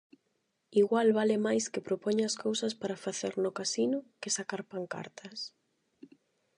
Igual vale máis que propoñas cousas para facer no Casino que sacar pancartas.